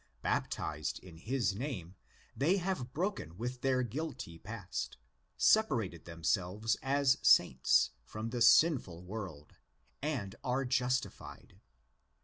Baptised in his name, they have broken THE FIRST EPISTLE 185 with their guilty past, separated themselves as "saints"? (ἅγιο) from the sinful world, and are justified.